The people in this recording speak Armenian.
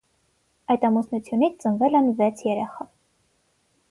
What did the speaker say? Այդ ամուսնությունից ծնվել են վեց երեխա։